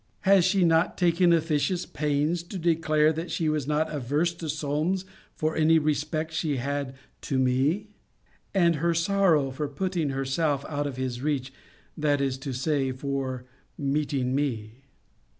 Has she not taken officious pains to declare that she was not averse to Solmes for any respect she had to me? and her sorrow for putting herself out of his reach, that is to say, for meeting me?